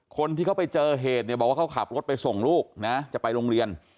คนที่เขาไปเจอเหตุเนี่ยบอกว่าเขาขับรถไปส่งลูกนะจะไปโรงเรียน